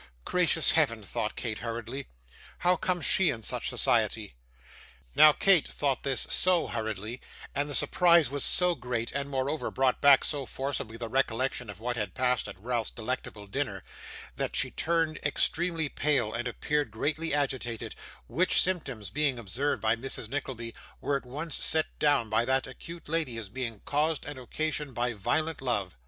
'Gracious Heaven!' thought Kate hurriedly. 'How comes she in such society?' Now, Kate thought thus SO hurriedly, and the surprise was so great, and moreover brought back so forcibly the recollection of what had passed at Ralph's delectable dinner, that she turned extremely pale and appeared greatly agitated, which symptoms being observed by Mrs. Nickleby, were at once set down by that acute lady as being caused and occasioned by violent love.